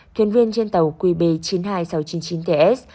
thuyền viên trên tàu qb chín mươi hai nghìn sáu trăm chín mươi chín ts